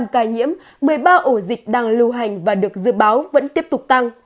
một trăm sáu mươi năm ca nhiễm một mươi ba ổ dịch đang lưu hành và được dự báo vẫn tiếp tục tăng